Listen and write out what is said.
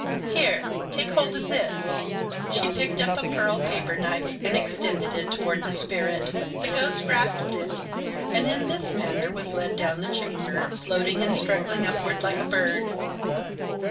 "Here, take hold of this." She picked up a pearl paper knife and extended it toward the spirit. The ghost grasped it, and in this manner was led down the chamber, floating and struggling upward like a bird.